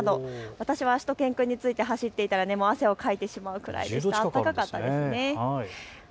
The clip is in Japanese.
私はしゅと犬くんについて走っていたらもう汗をかいてしまうくらい暖かかったですね。